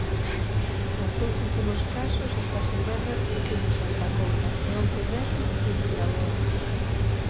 Os dous últimos casos, esta semana, en Santa Comba e, onte mesmo, en Vilaboa.